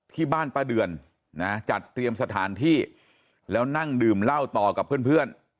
ที่บ้านป้าเดือนนะจัดเตรียมสถานที่แล้วนั่งดื่มเหล้าต่อกับเพื่อน